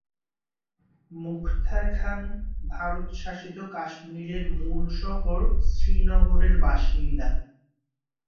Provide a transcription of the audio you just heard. মুখতার খান ভারত শাসিত কাশ্মিরের মূল শহর শ্রীনগরের বাসিন্দা।